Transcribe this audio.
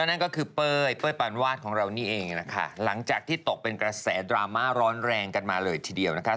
นั่นก็คือเป้ยเป้ยปานวาดของเรานี่เองนะคะหลังจากที่ตกเป็นกระแสดราม่าร้อนแรงกันมาเลยทีเดียวนะคะ